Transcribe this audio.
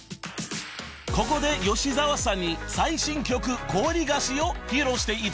［ここで吉澤さんに最新曲『氷菓子』を披露していただきます］